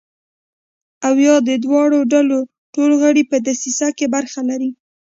او یا د دواړو ډلو ټول غړي په دسیسه کې برخه لري.